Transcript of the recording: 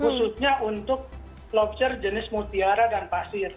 khususnya untuk lobster jenis mutiara dan pasir